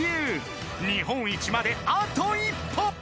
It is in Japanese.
［日本一まであと一歩］